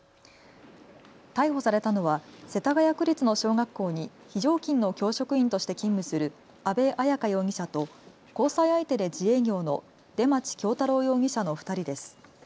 逮捕されたのは世田谷区立の小学校に非常勤の教職員として勤務する安部綾香容疑者と交際相手で自営業の出町恭太郎の容疑者の２人です。